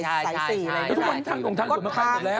แล้วทุกวันทั้งตรงมาไปหมดแล้ว